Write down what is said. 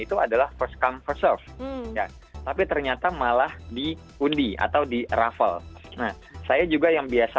itu adalah first come first serve tapi ternyata malah dihudi atau di raffle nah saya juga yang biasa